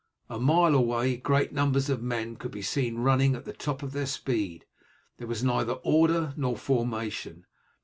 A mile away great numbers of men could be seen running at the top of their speed. There was neither order nor formation.